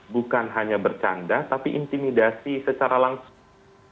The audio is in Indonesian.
bukan hanya bercanda tapi intimidasi secara langsung